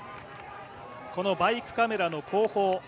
このバイクカメラの後方。